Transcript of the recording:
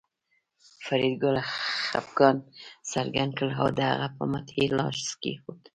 فریدګل خپګان څرګند کړ او د هغه په مټ یې لاس کېښود